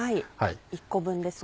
１個分ですね。